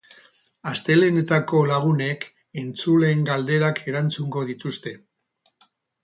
Astelehenetako lagunek entzuleen galderak erantzungo dituzte.